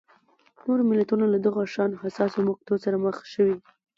نور ملتونه له دغه شان حساسو مقطعو سره مخ شوي.